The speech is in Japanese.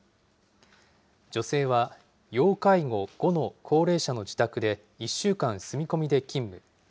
女性は、要介護５の高齢者の自宅で１週間住み込みで勤務。